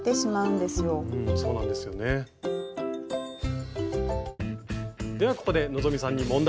ではここで希さんに問題です。